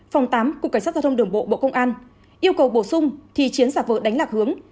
phòng tám cục cảnh sát giao thông đường bộ bộ công an yêu cầu bổ sung thì chiến giả vờ đánh lạc hướng